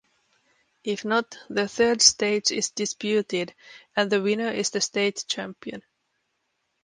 If not, the third stage is disputed, and the winner is the state champion.